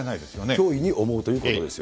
脅威に思うということですよ